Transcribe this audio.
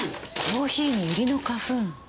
コーヒーにユリの花粉。